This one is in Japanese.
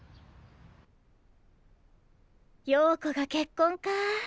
陽子が結婚か。